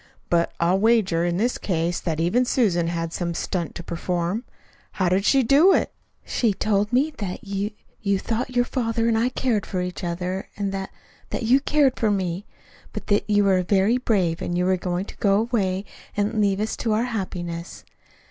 But I'll wager, in this case, that even Susan had some stunt to perform. How did she do it?" "She told me that you you thought your father and I cared for each other, and that that you cared for me; but that you were very brave and were going to go away, and leave us to our happiness.